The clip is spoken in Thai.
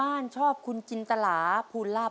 ใครทรงใจครับ